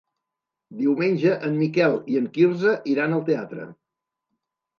Diumenge en Miquel i en Quirze iran al teatre.